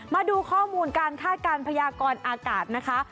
มาดูข้อมูลการคาดการณ์พยากรอากาศนะคะ